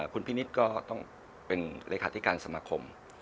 คุณพินิศก็ต้องเป็นเลยคาดที่การสมัครคม